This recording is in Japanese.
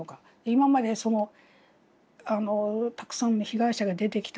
今までたくさんの被害者が出てきた。